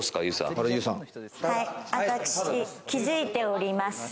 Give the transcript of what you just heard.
はい、私気づいております。